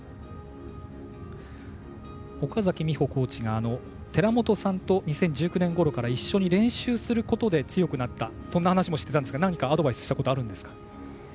岡崎美穂コーチが寺本さんと２０１９年ごろから一緒に練習することで強くなったそんな話をしていたんですがアドバイスしたことはあるんですか？